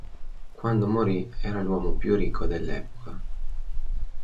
Quando morì era l'uomo più ricco dell'epoca.